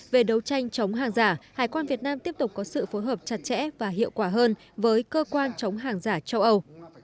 về đấu tranh chống hàng giả hải quan việt nam tiếp tục có sự phối hợp chặt chẽ và hiệu quả hơn với cơ quan chống hàng giả châu âu